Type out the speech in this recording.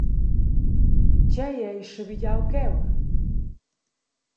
Tgei ei schabegiau cheu?